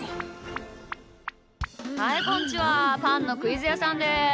はいこんちはパンのクイズやさんです。